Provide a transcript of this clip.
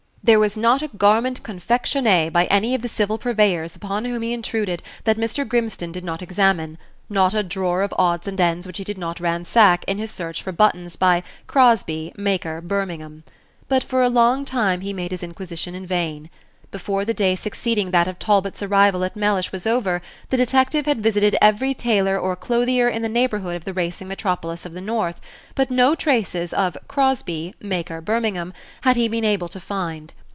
There was not a garment confectionnée by any of the civil purveyors upon whom he intruded that Mr. Grimstone did not examine; not a drawer of odds and ends which he did not ransack, in his search for buttons by "Crosby, maker, Birmingham." But for a long time he made his inquisition in vain. Before the day succeeding that of Talbot's arrival at Mellish was over, the detective had visited every tailor or clothier in the neighborhood of the racing metropolis of the north, but no traces of "Crosby, maker, Birmingham," had he been able to find.